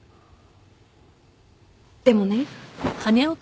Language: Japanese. でもね。